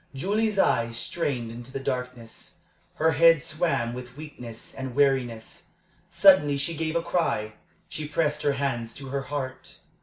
Julie's eyes strained into the darkness; her head swam with weakness and weariness. Suddenly she gave a cry she pressed her hands to her heart.